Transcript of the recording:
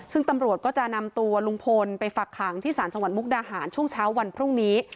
ซึ่งตำรวจก็จะนำตัวลุงพลไปฝักขังที่ศาลจังหวัดมุกดาหารช่วงเช้าวันพรุ่งนี้